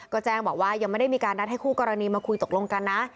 ก็แจ้งบอกว่ายังไม่ได้มีการนัดให้คู่กรณีมาคุยตกลงกันนะ